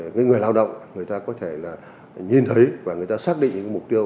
người lao động người ta có thể là nhìn thấy và người ta xác định những mục tiêu